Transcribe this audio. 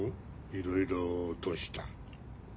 いろいろどうした？